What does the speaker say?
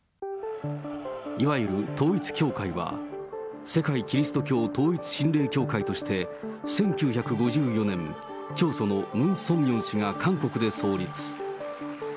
いわゆる統一教会は、世界基督教統一神霊協会として、１９５４年、教祖のムン・ソンミョン氏が韓国で創立。